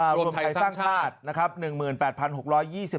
รวมไทยสร้างชาติ